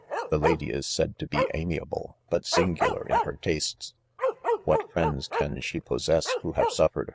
The lady is said to be amiable, hut singular in her tastes, "What friends can she possess, who have suffered he?